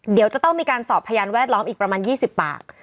เดี๋ยวจะต้องมีการสอบพยานแวดล้อมอีกประมาณ๒๐ปาก